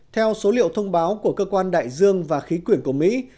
theo số liệu thông báo của cơ quan đại dương và khí quyển của mỹ